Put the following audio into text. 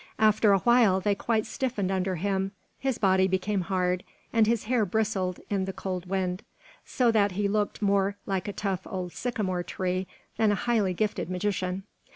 After a while they quite stiffened under him, his body became hard, and his hair bristled in the cold wind; so that he looked more like a tough old sycamore tree than a highly gifted magician.